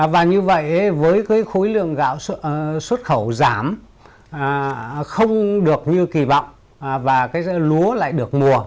và như vậy với cái khối lượng gạo xuất khẩu giảm không được như kỳ vọng và cái lúa lại được mùa